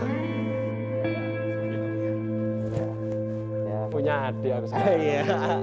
ya punya hati harusnya